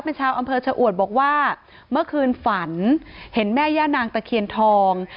เป็นชาวอำเภอชะอวดบอกว่าเมื่อคืนฝันเห็นแม่ย่านางตะเคียนทอง